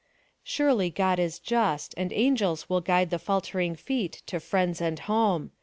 Surely God is just, and angels will guide the falter ing feet to friends and home.